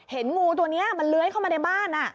เห็นงูตัวนี้มันเลื้อยเข้ามาในบ้าน